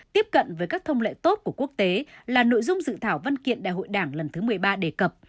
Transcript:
tiếp cận với các thông lệ tốt của quốc tế là nội dung dự thảo văn kiện đại hội đảng lần thứ một mươi ba đề cập